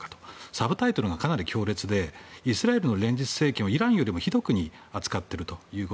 サブタイトルがかなり強烈でイスラエルの連立政権はイランよりひどく扱っていると。